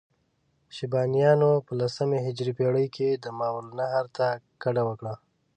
شیبانیانو په لسمې هجري پېړۍ کې ماورالنهر ته کډه وکړه.